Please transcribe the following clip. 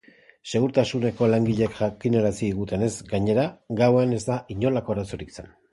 Segurtasuneko langileek jakinarazi digutenez, gainera, gauean ez da inolako arazorik izan.